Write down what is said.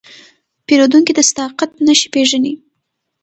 پیرودونکی د صداقت نښې پېژني.